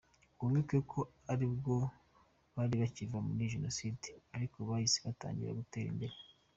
Wibuke ko aribwo bari bakiva muri Jenoside ariko bahise batangira gutera imbere.